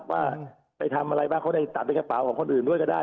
ว่าไปทำอะไรบ้างเขาได้ตัดในกระเป๋าของคนอื่นด้วยก็ได้